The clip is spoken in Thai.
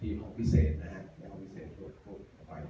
ที่ห้องพิเศษนะฮะอย่างควิเศษต้นเหมือนกัน